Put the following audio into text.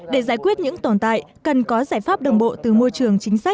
để giải quyết những tồn tại cần có giải pháp đồng bộ từ môi trường